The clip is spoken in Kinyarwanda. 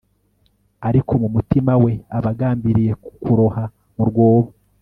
ariko mu mutima we, aba agambiriye kukuroha mu rwobo